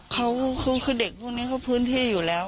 เขาคือเด็กพวกนี้เขาพื้นที่อยู่แล้ว